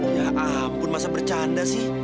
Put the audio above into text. ya ampun masa bercanda sih